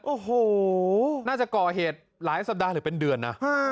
โอ้โหน่าจะก่อเหตุหลายสัปดาห์หรือเป็นเดือนนะ